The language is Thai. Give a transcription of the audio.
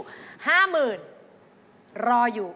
๕๐๐๐๐บาทรออยู่